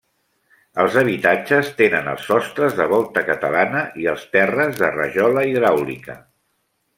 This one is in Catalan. Els habitatges tenen els sostres de volta catalana i els terres de rajola hidràulica.